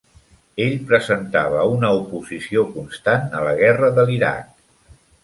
Ell presentava una oposició constant a la guerra de l'Iraq.